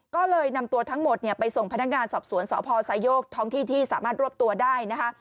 ก็เลยนำตัวทั้งหมดไปส่งพนักงานสอบสวนสพไซโยกท้องที่ที่สามารถรวบตัวได้นะคะ